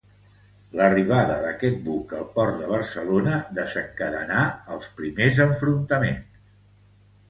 L'arribada d'aquest buc al Port de Barcelona desencadenà els primers enfrontaments.